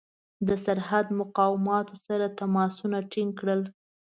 د سرحد مقاماتو سره تماسونه ټینګ کړل.